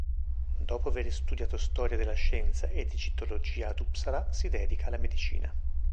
Dopo aver studiato storia della scienza ed egittologia ad Uppsala, si dedica alla medicina.